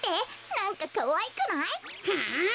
なんかかわいくない？はあ？